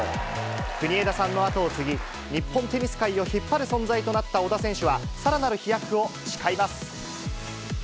国枝さんの後を継ぎ、日本テニス界を引っ張る存在となった小田選手は、さらなる飛躍を誓います。